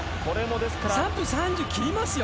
３分３０切りますよ！